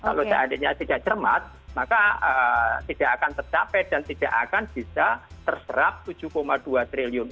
kalau seandainya tidak cermat maka tidak akan tercapai dan tidak akan bisa terserap rp tujuh dua triliun